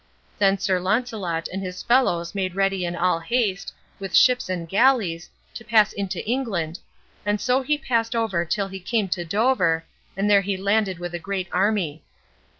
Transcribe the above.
Then Sir Launcelot and his fellows made ready in all haste, with ships and galleys, to pass into England; and so he passed over till he came to Dover, and there he landed with a great army.